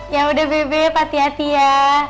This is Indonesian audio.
ya udah bibip hati hati ya